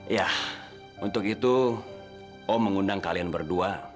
ya untuk itu om mengundang kalian berdua